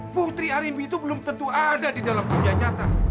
putri aribi itu belum tentu ada di dalam dunia nyata